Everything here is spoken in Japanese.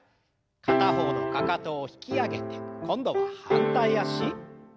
片方のかかとを引き上げて今度は反対脚。